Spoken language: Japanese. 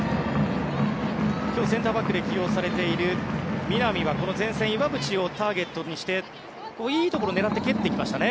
今日、センターバックで起用されている南はこの前線、岩渕をターゲットにしていいところを狙って蹴っていきましたね。